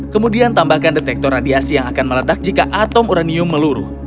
kemudian tambahkan detektor radiasi yang akan meletak jika atom uranium meluruh